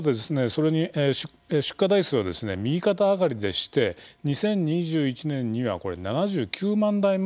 それに出荷台数は右肩上がりでして２０２１年にはこれ７９万台まで増えているんですね。